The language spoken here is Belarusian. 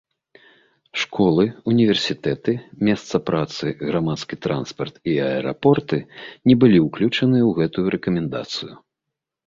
Школы, універсітэты, месца працы, грамадскі транспарт і аэрапорты не былі ўключаныя ў гэтую рэкамендацыю.